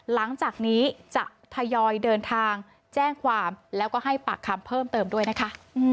หลังจากนี้จะทยอยเดินทางแจ้งความแล้วก็ให้ปากคำเพิ่มเติมด้วยนะคะ